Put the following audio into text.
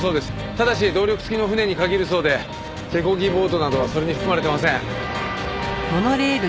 ただし動力付きの船に限るそうで手こぎボートなどはそれに含まれてません。